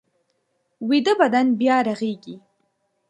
ویده بدن بیا رغېږي